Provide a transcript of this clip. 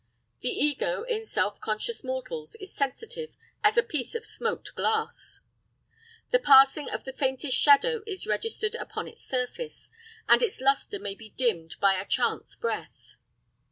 The ego in self conscious mortals is sensitive as a piece of smoked glass. The passing of the faintest shadow is registered upon its surface, and its lustre may be dimmed by a chance breath.